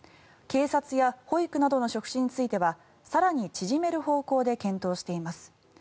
警察や保育などの職種については更に縮める方向で検討しています。